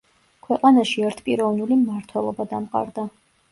ქვეყანაში ერთპიროვნული მმართველობა დამყარდა.